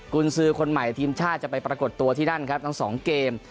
คุณซื้อคนใหม่ทีมชาติจะไปปรากฏตัวที่นั่นครับทั้งสองเกม